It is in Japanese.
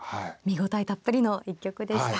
見応えたっぷりの一局でした。